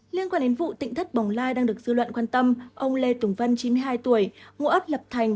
liên quan đến vụ tịnh thất bỏng lai đang được dư luận quan tâm ông lê tùng vân chín mươi hai tuổi ngũ ấp lập thành